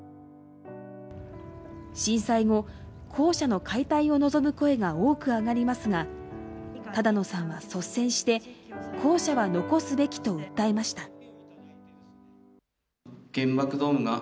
震災後、校舎の解体を望む声が多く上がりますが只野さんは率先して校舎は残すべきと訴えました。